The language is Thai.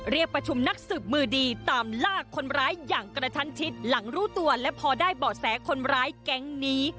เรียกประชุมนักสืบมือดีตามลากคนร้ายอย่างกระทันชิดหลังรู้ตัวและพอได้เบาะแสคนร้ายแก๊งนี้